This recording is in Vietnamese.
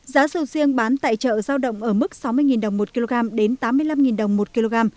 giá sầu riêng bán tại chợ giao động ở mức sáu mươi đồng một kg đến tám mươi năm đồng một kg